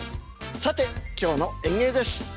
さて今日の演芸です。